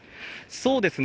そうですね。